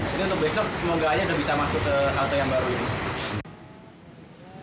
jadi untuk besok semoga aja bisa masuk ke halte yang baru ini